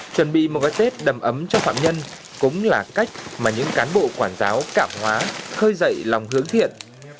chuẩn bị một cái tết đầm ấm cho phạm nhân cũng là cách mà những cán bộ quản giáo cảm hóa khơi dậy lòng hướng thiện